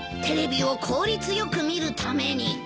テレビを効率よく見るために。